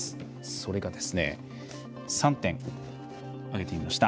それが３点挙げてみました。